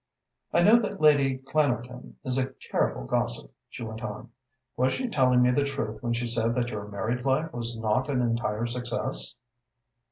"I know that Lady Clanarton is a terrible gossip," she went on. "Was she telling me the truth when she said that your married life was not an entire success?"